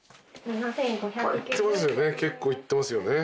結構いってますよね。